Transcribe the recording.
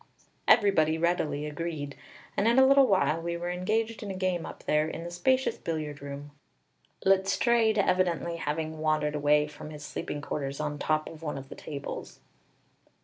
Everybody readily agreed, and in a little while we were engaged in a game up there in the spacious billiard room, Letstrayed evidently having wandered away from his sleeping quarters on top of one of the tables.